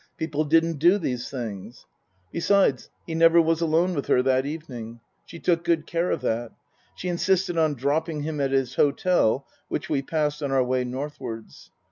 People didn't do these things. Besides, he never was alone with her that evening. She took good care of that. She insisted on dropping him at his hotel, which we passed on our way northwards.